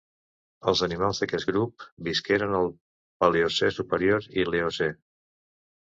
Els animals d'aquest grup visqueren al Paleocè superior i l'Eocè.